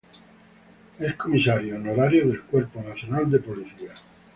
Es comisario honorario del Cuerpo Nacional de Policía.